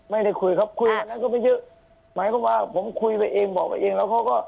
ไม่ได้คุยครับคุยอันนั้นก็ไม่เยอะหมายความว่าผมคุยไปเองบอกไปเองแล้วเขาก็